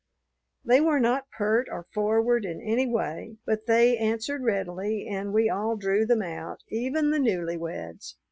They were not pert or forward in any way, but they answered readily and we all drew them out, even the newly weds.